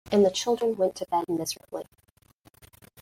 And the children went to bed, miserably.